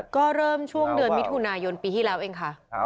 คุณมิถุนายนปีที่แล้วเองค่ะ